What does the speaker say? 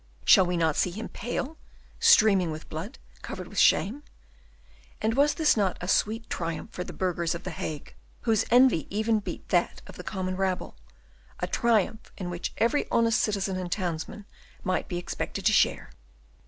Shall we not see him pale, streaming with blood, covered with shame?" And was not this a sweet triumph for the burghers of the Hague, whose envy even beat that of the common rabble; a triumph in which every honest citizen and townsman might be expected to share?